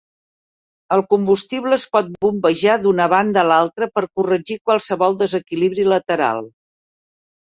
El combustible es pot bombejar d'una banda a l'altra per corregir qualsevol desequilibri lateral.